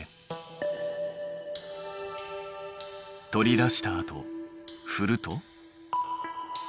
取り出したあとふると？